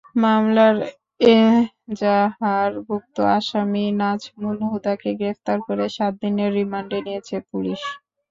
মামলার এজাহারভুক্ত আসামি নাজমুল হুদাকে গ্রেপ্তার করে সাত দিনের রিমান্ডে নিয়েছে পুলিশ।